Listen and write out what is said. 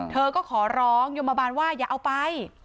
เธอก็ขอร้องยมบาลว่าอย่าเอาไป